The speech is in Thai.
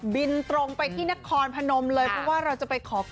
บินตรงไปที่นครพนมเลยเพราะว่าเราจะไปขอ